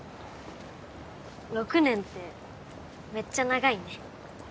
６年ってめっちゃ長いね。